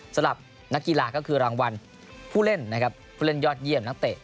สำหรับนักกีฬาก็คือรางวัลผู้เล่นนะครับผู้เล่นยอดเยี่ยมนักเตะ